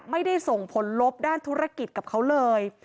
ไม่ได้ส่งผลลบด้านธุรกิจกับเขาเลย